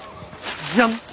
じゃん！